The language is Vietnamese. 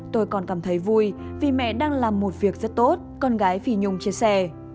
tôi còn cảm thấy vui vì mẹ đang làm một việc rất tốt con gái vì nhung chia sẻ